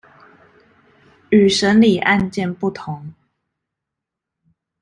與審理案件不同